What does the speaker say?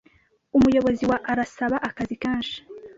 Umuyobozi wa arasaba akazi kenshi.